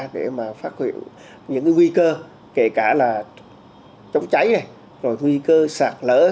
để phát hiện những nguy cơ kể cả là chống cháy nguy cơ sạt lỡ